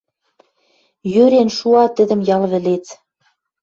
Йӧрен шуа тӹдӹм ял вӹлец...